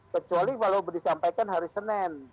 kecuali walau disampaikan hari senin